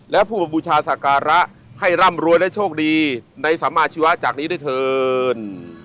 และพูดพบูชาสการะให้ร่ำรวยได้โชคดีในสำมขาชีวะจากนี้ได้เถิน